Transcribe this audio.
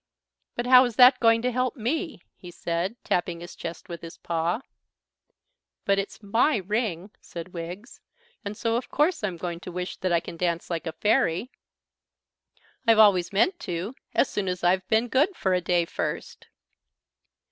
"But how is that going to help me?" he said, tapping his chest with his paw. "But it's my ring," said Wiggs. "And so of course I'm going to wish that I can dance like a fairy. I've always meant to, as soon as I've been good for a day first."